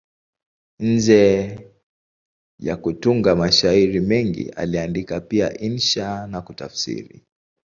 Nje ya kutunga mashairi mengi, aliandika pia insha na kutafsiri.